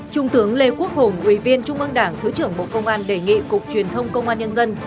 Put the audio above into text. trung tướng lê quốc hùng ủy viên trung ương đảng thứ trưởng bộ công an đề nghị cục truyền thông công an nhân dân